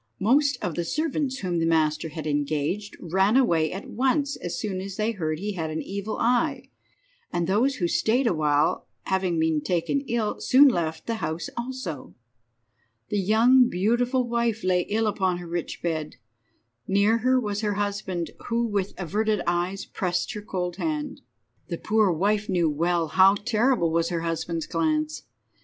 Most of the servants whom the master had engaged ran away at once as soon as they heard he had an evil eye, and those who stayed a while, having been taken ill, soon left the house also. The young, beautiful wife lay ill upon her rich bed. Near her was her husband, who, with averted eyes, pressed her cold hand. The poor wife knew well how terrible was her husband's glance.